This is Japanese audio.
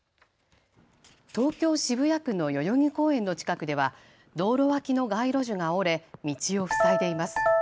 東京渋谷区の代々木公園の近くでは道路脇の街路樹が折れ道を塞いでいます。